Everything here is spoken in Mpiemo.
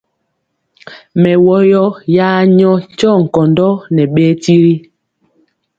Mɛwɔyɔ ya nyɔ tyɔ nkɔndɔ nɛ ɓee nkɔsi.